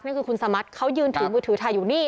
นั่นคือคุณสมัติเขายืนถือมือถือถ่ายอยู่นี่